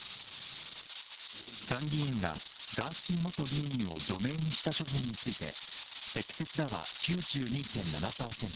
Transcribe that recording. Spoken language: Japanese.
参議院がガーシー元議員を除名にした処分について適切だは９２．７％。